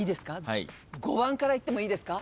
５番からいってもいいですか？